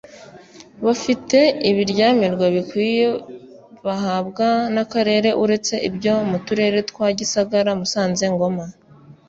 bafite ibiryamirwa bikwiye bahabwa n akarere uretse ibyo mu turere twa gisagara musanze ngoma